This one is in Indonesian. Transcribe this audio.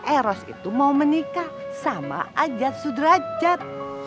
eros itu mau menikah sama ajat sudrajat